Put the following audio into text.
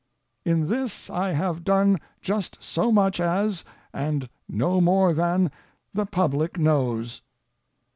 In this I have done just so much as, and no more than, the public knows.